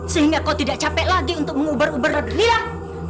sehingga kau tidak capek lagi untuk mengubur ubur dari diram